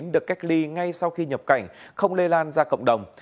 được cách ly ngay sau khi nhập cảnh không lây lan ra cộng đồng